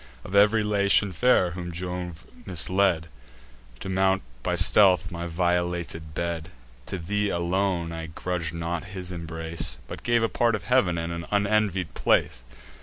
Of ev'ry Latian fair whom Jove misled To mount by stealth my violated bed, To thee alone I grudg'd not his embrace, But gave a part of heav'n, and an unenvied place.